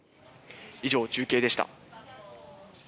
以上、中継でした。